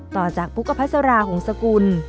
ต่อจากปุกประพัสราของสกุล